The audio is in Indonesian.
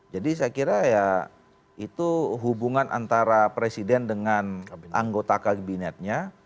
jadi saya kira ya itu hubungan antara presiden dengan anggota kabinetnya